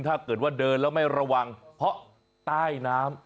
ถ้าเกิดว่าเดินแล้วไม่ระวังเพราะใต้น้ำ